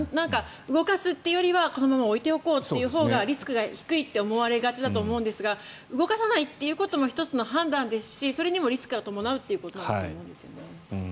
動かすというよりは、このまま置いておこうというほうがリスクが低いって思われがちだと思うんですが動かさないということも１つの判断だしそれにもリスクが伴うということだと思うんですよね。